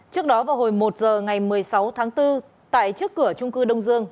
trước đó vào hồi một giờ ngày một mươi sáu tháng bốn tại trước cửa trung cư đông dương